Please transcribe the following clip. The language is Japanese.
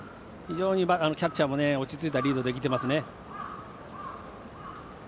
非常にキャッチャーも落ち着いたリードできてますね。